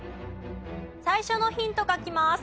最初のヒントがきます。